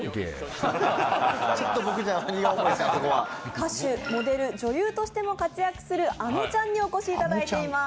歌手モデル女優としても活躍するあのちゃんにおこしいただいています